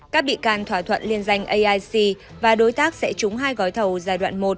các bị can thỏa thuận liên danh aic và đối tác sẽ trúng hai gói thầu giai đoạn một